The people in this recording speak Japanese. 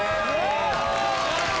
やった！